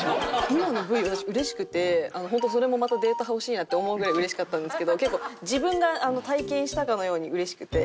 今のＶ私うれしくて本当それもまたデータが欲しいなって思うぐらいうれしかったんですけど結構自分が体験したかのようにうれしくて。